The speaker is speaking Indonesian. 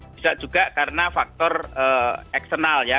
bisa juga karena faktor eksternal ya